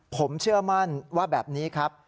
ผมเชื่อมั่นว่าแบบนี้ครับ